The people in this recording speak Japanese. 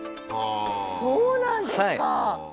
そうなんですか！